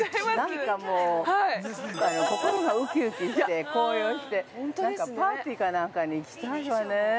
◆なんか、もう心が浮き浮きして高揚してなんかパーティーかなんかに行きたいわね。